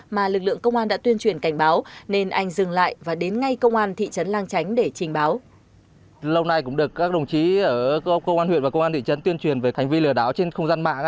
mà lực lượng công an đã tuyên truyền cảnh báo nên anh dừng lại và đến ngay công an thị trấn lang chánh để trình báo